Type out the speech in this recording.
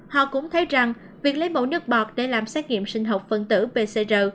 họ cũng thấy rằng việc lấy mẫu nước bọt để làm xét nghiệm sinh học phân tử pcr